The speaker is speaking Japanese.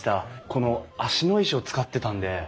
この芦野石を使ってたんで。